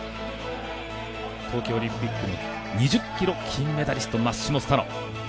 東京オリンピックの２０ｋｍ金メダリスト、マッシモ・スタノ。